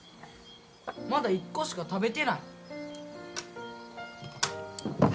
まだ１個しか食べてない。